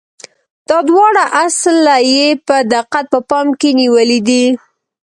دا دواړه اصله یې په دقت په پام کې نیولي دي.